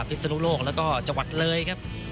พิศนุโลกแล้วก็จังหวัดเลยครับ